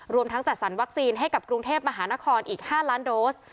รวมทั้งจัดสรรวัคซีนให้กับกรุงเทพมหานครอีก๕ล้านโดส